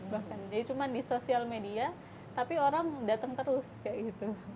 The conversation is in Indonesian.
bahkan jadi cuma di sosial media tapi orang datang terus kayak gitu